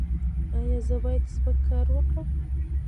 ایا زه باید سپک کار وکړم؟